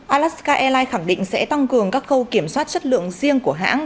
alaska airlines khẳng định sẽ tăng cường các khâu kiểm soát chất lượng riêng của hãng